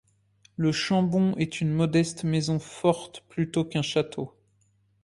Le Chambon est une modeste maison forte plutôt qu'un château.